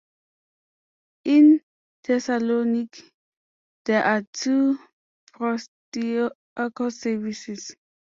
In Thessaloniki, there are two Proastiakos services.